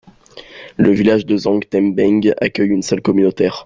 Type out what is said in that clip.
Le village de Zang Tembeng accueille une salle communautaire.